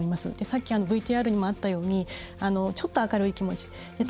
さっきＶＴＲにもあったようにちょっと明るい気持ち。